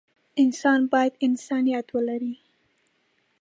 انسان بايد انسانيت ولري.